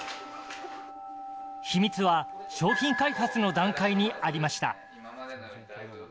秘密は商品開発の段階にありました。